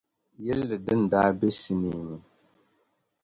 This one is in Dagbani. yilli din daa be sinii ni.